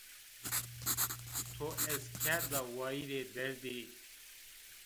To ez kerda wayîrê derdî